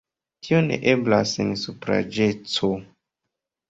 Tio ne eblas sen supraĵeco.